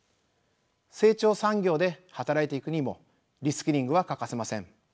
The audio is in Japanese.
成長産業で働いていくにもリスキリングは欠かせません。